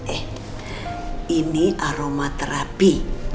eh ini aroma terapi